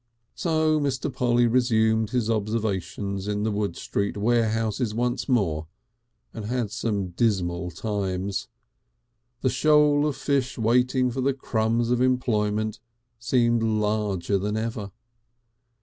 So Mr. Polly resumed his observations in the Wood Street warehouses once more, and had some dismal times. The shoal of fish waiting for the crumbs of employment seemed larger than ever.